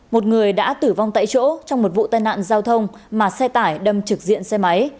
một người đã tử vong tại chỗ trong một vụ tai nạn giao thông mà xe tải đâm trực diện xe máy